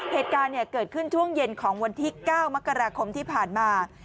เหตุการณ์เกิดขึ้นช่วงเย็นของวันที่๙มกราคมที่ผ่านมา